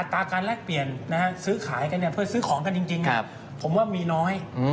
การแลกเปลี่ยนซื้อขายกันเพื่อซื้อของกันจริงผมว่ามีน้อย